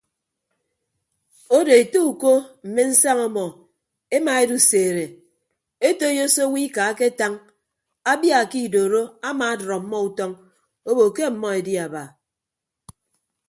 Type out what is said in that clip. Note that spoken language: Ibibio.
Odo ete uko mme nsaña ọmọ emaeduseede etoiyo se owo ika aketañ abia ke idoro amadʌd ọmmọ utọñ obo ke ọmmọ edi aba.